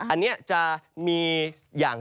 อันนี้จะมีอย่าง